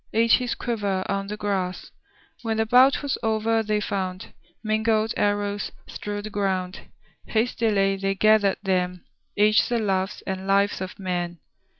— Each his quiver on the grass. When the bout was o'er they found Mingled arrows strewed the ground. Hastily they gathered then Each the loves and lives of men.